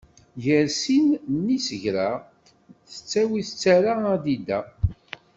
Gar sin n yisegra tettawi tettara adida.